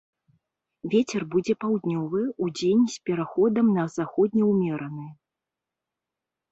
Вецер будзе паўднёвы, удзень з пераходам на заходні ўмераны.